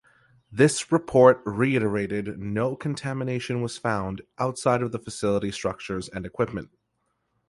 This report reiterated no contamination was found outside of the facility structures and equipment.